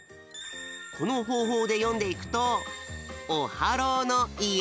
このほうほうでよんでいくと「おはろーのいえ」。